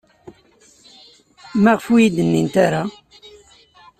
Maɣef ur iyi-d-nnint ara?